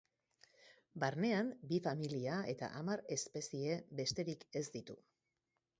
Barnean bi familia eta hamar espezie besterik ez ditu.